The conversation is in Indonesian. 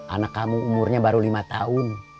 anak kamu umurnya baru lima tahun